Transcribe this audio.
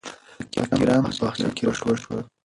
فقیران په باغچه کې راټول شول.